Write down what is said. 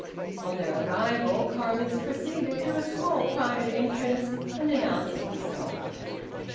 On their arrival Koremitz proceeded to a small private entrance and announced himself.